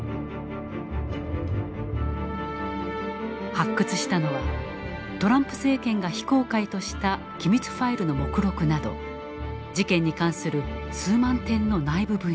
発掘したのはトランプ政権が非公開とした機密ファイルの目録など事件に関する数万点の内部文書。